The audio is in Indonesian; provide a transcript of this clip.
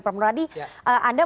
prof muradi anda menurutku